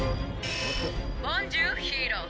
「ボンジュールヒーロー！